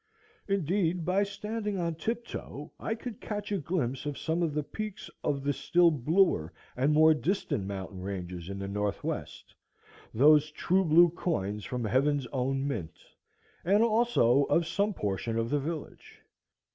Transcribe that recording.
Indeed, by standing on tiptoe I could catch a glimpse of some of the peaks of the still bluer and more distant mountain ranges in the north west, those true blue coins from heaven's own mint, and also of some portion of the village.